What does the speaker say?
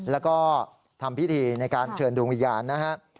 แล้วก็ทำพิธีในการเชิญดวงวิญญาณนะฮะ